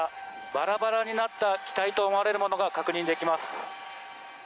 バラバラになった機体と思われるものが確認できます。